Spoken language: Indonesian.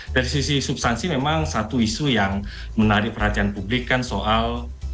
dari sisi substansi memang satu isu yang menarik perhatian publik kan soal